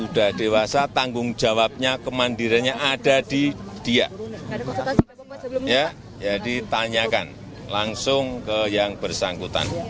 sudah ditanyakan langsung ke yang bersangkutan